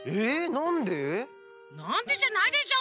なんでじゃないでしょ